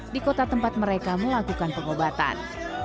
di kota tempat mereka melakukan pengobatan